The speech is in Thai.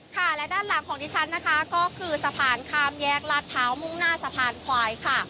ค่ะและด้านหลังของดิฉันนะคะก็คือสะพานข้ามแยกลาดพร้าวมุ่งหน้าสะพานควายค่ะ